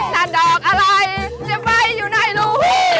นั่นดอกอะไรจะไว้อยู่ในลูก